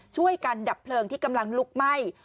ช่วยกันดับเพลิงที่กำลังลุกไหม้